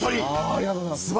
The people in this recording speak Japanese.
ありがとうございます。